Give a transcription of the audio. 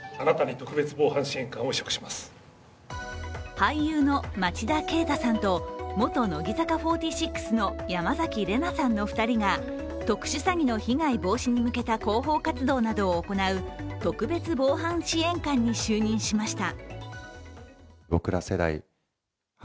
俳優の町田啓太さんと元乃木坂４６の山崎怜奈さんの２人が特殊詐欺の被害防止に向けた広報活動などを行う特別防犯支援官に就任しました。